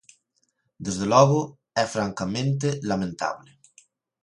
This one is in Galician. Desde logo, é francamente lamentable.